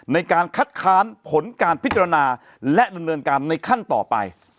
ในการคัดค้านผลการพิจารณาและดำเนินการในขั้นต่อไป